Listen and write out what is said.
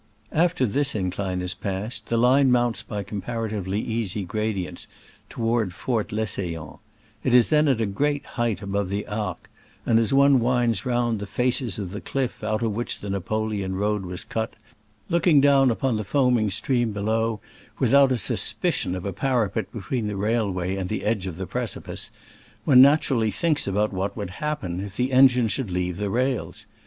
After this incline is passed, the line mounts by comparatively easy gradients Digitized by Google SCRAMBLES AMONGST THE ALPS IN 1860^69 33 toward Fort Lesseillon : it is then at a great height above the Arc, and as one winds round the faces of the cliff out of which the Napoleon road was cut, looking down upon the foaming stream below, without a suspicion of a parapet between the railway and the edge of the precipice, one naturally thinks about what would happen if the engine should leave the rails.